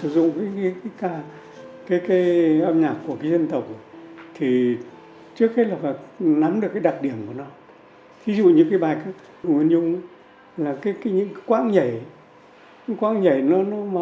thường nó như là tiếng nói của họ